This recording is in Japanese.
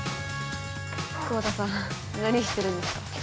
久保田さん何してるんですか？